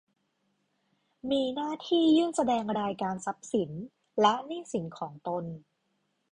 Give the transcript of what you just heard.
มีหน้าที่ยื่นแสดงรายการทรัพย์สินและหนี้สินของตน